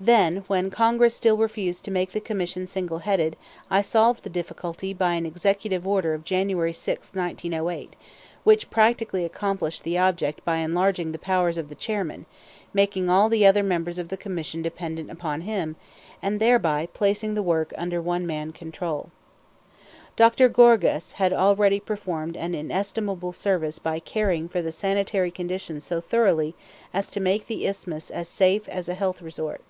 Then, when Congress still refused to make the commission single headed, I solved the difficulty by an executive order of January 6, 1908, which practically accomplished the object by enlarging the powers of the chairman, making all the other members of the commission dependent upon him, and thereby placing the work under one man control. Dr. Gorgas had already performed an inestimable service by caring for the sanitary conditions so thoroughly as to make the Isthmus as safe as a health resort.